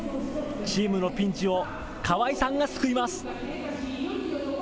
チームのピンチを川井さんが救います。